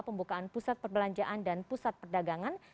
pembukaan pusat perbelanjaan dan pusat perdagangan